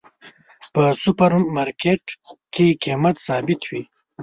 په سوپر مرکیټ کې قیمت ثابته وی